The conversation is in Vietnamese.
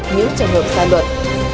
những trường hợp sai luật